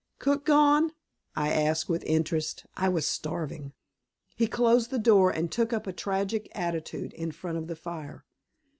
"Cook gone?" I asked with interest. I was starving. He closed the door and took up a tragic attitude in front of the fire.